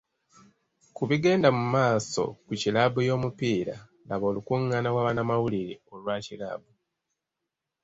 Ku bigenda mu maaso ku kiraabu y'omupiira, laba olukungaana lwa bannamawulire olwa kiraabu.